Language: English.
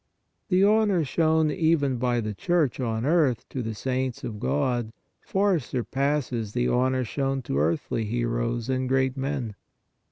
The honor shown even by the Church on earth to the saints of God far surpasses the honor shown to earthly heroes and great men.